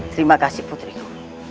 terima kasih putriku